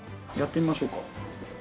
やってみましょうか？